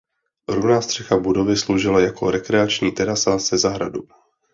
Rovná střecha budovy sloužila jako rekreační terasa se zahradou.